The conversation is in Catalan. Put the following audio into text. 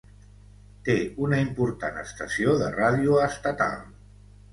Té una important estació de ràdio estatal.